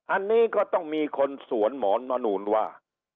อันนี้ก็ต้องมีคนสวนหมอนมนูนว่า